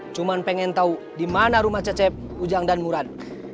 cuma pengen tahu di mana rumah cecep ujang dan murad